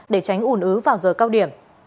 để tránh ồn ứ vào giờ cao điểm